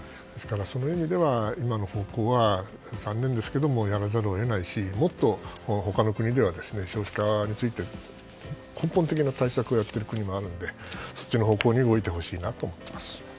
その意味では今の方向は残念ですけどやらざるを得ないしもっと他の国では少子化について根本的な対策をやっている国もあるのでそっちの方向に動いてほしいなと思います。